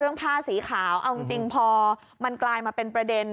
ผ้าสีขาวเอาจริงพอมันกลายมาเป็นประเด็น